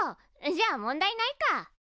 じゃあ問題ないか。